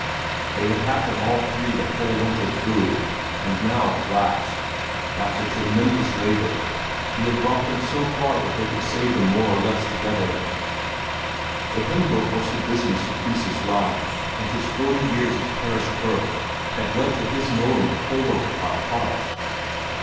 They had had them all three the whole winter through, and now at last, after tremendous labor, he had brought them so far that they could say them more or less together. The hymn book was the business of Fris's life, and his forty years as parish clerk had led to his knowing the whole of it by heart.